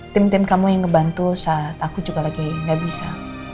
tim tim kamu yang ngebantu saat aku juga lagi gak bisa